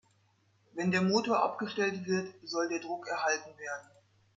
Wenn der Motor abgestellt wird, soll der Druck erhalten werden.